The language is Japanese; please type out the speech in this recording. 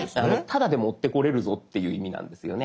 「タダで持ってこれるぞ」っていう意味なんですよね。